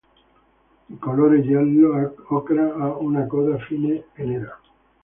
Di colore giallo ocra, ha una coda fine e nera.